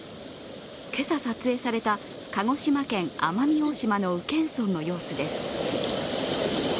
今朝撮影された鹿児島県奄美大島の宇検村の様子です。